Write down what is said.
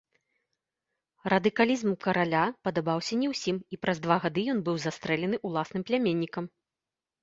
Радыкалізм караля падабаўся не ўсім і праз два гады ён быў застрэлены ўласным пляменнікам.